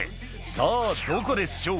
「さぁどこでしょう？」